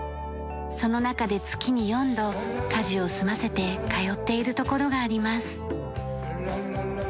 その中で月に４度家事を済ませて通っている所があります。